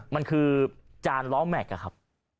มันคือจานล้อแม็กซอะครับ